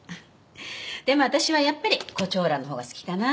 でも私はやっぱり胡蝶蘭のほうが好きかな。